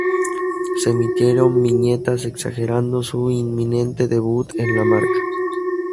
Se emitieron viñetas exagerando su inminente debut en la marca.